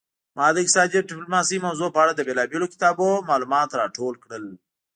ما د اقتصادي ډیپلوماسي موضوع په اړه له بیلابیلو کتابونو معلومات راټول کړل